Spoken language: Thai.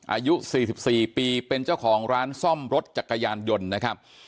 อายุ๔๔ปีเป็นเจ้าของร้านซ่อมรถจักรยานยนต์นะครับ